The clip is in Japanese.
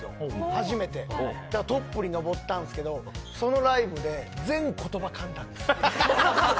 初めてトップに上ったんですけどそのライブで全部の言葉かんだんです。